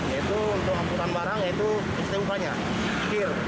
yaitu untuk angkutan barang yaitu sduk nya kil